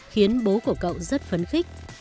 khiến bố của cậu rất phấn khích